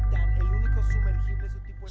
ini adalah titan yang unik yang bisa dihubungkan